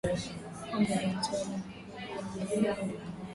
Ombi la watu wale ni kujengewa vibanda